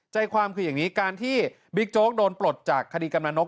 ใจความคืออย่างนี้การที่บิ๊กโจ๊กโดนปลดจากคดีกำลังนก